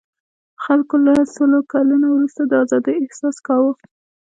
خلکو له سلو کلنو وروسته د آزادۍاحساس کاوه.